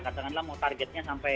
katakanlah mau targetnya sampai